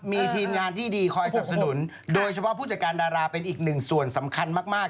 มีทีมงานที่ดีคอยสนับสนุนโดยเฉพาะผู้จัดการดาราเป็นอีกหนึ่งส่วนสำคัญมาก